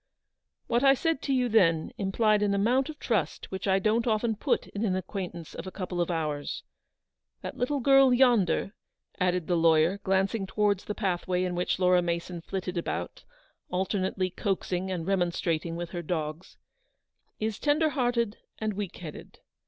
" What I said to you then implied an amount of trust which I don't often put in an acquain tance of a couple of hours. That little girl yonder," added the lawyer, glancing towards the pathway in which Laura Mason flitted about, alternately coaxing and remonstrating with her dogs, "is tender hearted and weak headed.